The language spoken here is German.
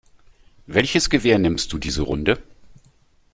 Welches Gewehr nimmst du diese Runde?